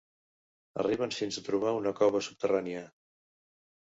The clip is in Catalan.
Arriben fins a trobar una cova subterrània.